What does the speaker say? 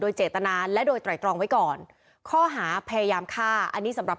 โดยเจตนาและโดยไตรตรองไว้ก่อนข้อหาพยายามฆ่าอันนี้สำหรับ